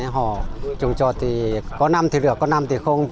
họ trồng trọt thì có năm thì được có năm thì không